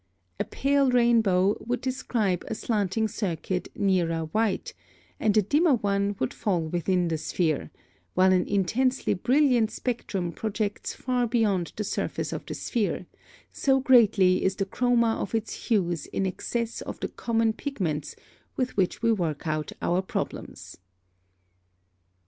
A pale rainbow would describe a slanting circuit nearer white, and a dimmer one would fall within the sphere, while an intensely brilliant spectrum projects far beyond the surface of the sphere, so greatly is the chroma of its hues in excess of the common pigments with which we work out our problems.